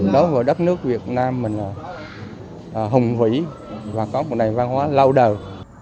đó là đất nước việt nam mình là hùng vĩ và có một nền văn hóa lâu đời